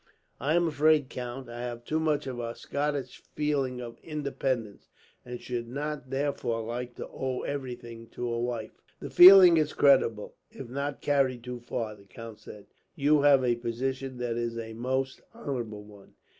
"I am afraid, count, I have too much of our Scottish feeling of independence; and should not, therefore, like to owe everything to a wife." "The feeling is creditable, if not carried too far," the count said. "You have a position that is a most honourable one.